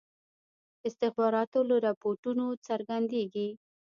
استخباراتو له رپوټونو څرګندیږي.